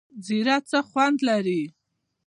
زیره څه خوند لري؟